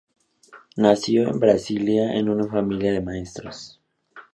Nació en Basilea, en una familia de maestros.